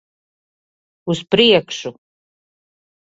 Uz priekšu!